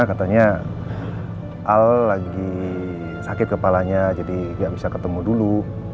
katanya al lagi sakit kepalanya jadi gak bisa ketemu dulu